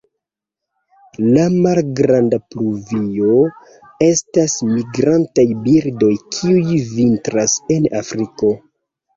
La Malgranda pluvio estas migrantaj birdoj kiuj vintras en Afriko.